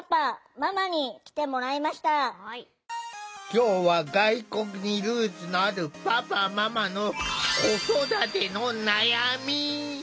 今日は外国にルーツのあるパパママの子育てのなやみ。